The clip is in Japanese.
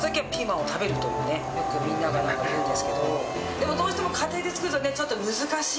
でもどうしても家庭で作るとねちょっと難しい。